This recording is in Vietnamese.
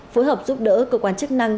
phối hợp giúp đỡ cơ quan chức năng